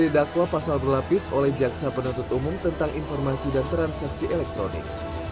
didakwa pasal berlapis oleh jaksa penuntut umum tentang informasi dan transaksi elektronik